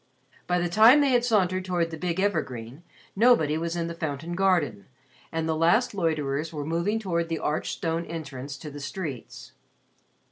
By the time they had sauntered toward the big evergreen, nobody was in the Fountain Garden, and the last loiterers were moving toward the arched stone entrance to the streets.